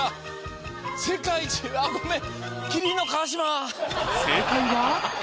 世界一あぁごめん！